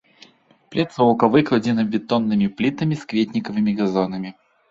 Пляцоўка выкладзена бетоннымі плітамі з кветнікавымі газонамі.